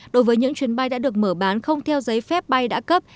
đối với những chuyến bay đã được mở bán không theo giấy phép bay đã cấp